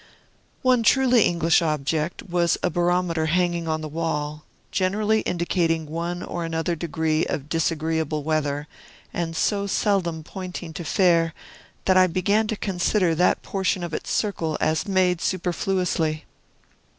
One truly English object was a barometer hanging on the wall, generally indicating one or another degree of disagreeable weather, and so seldom pointing to Fair, that I began to consider that portion of its circle as made superfluously.